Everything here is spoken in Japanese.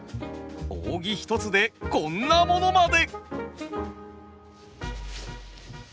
扇一つでこんなものまで。